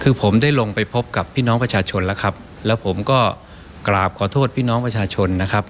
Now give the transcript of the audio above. คือผมได้ลงไปพบกับพี่น้องประชาชนแล้วครับแล้วผมก็กราบขอโทษพี่น้องประชาชนนะครับ